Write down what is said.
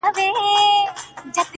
• لا یې ښه تر زامي نه وه رسولې -